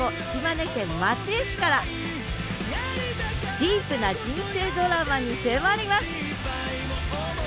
ディープな人生ドラマに迫ります！